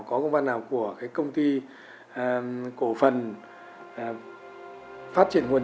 có công văn nào của cái công ty cổ phần phát triển nguồn